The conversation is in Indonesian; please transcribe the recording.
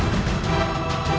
ya ini udah berakhir